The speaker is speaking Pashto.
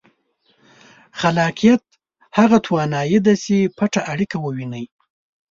خلاقیت هغه توانایي ده چې پټه اړیکه ووینئ.